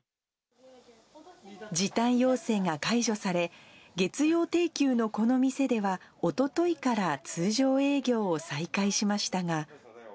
時短要請が解除され、月曜定休のこの店では、おとといから通常営業を再開しましたが。